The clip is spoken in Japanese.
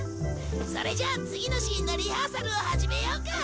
それじゃあ次のシーンのリハーサルを始めようか！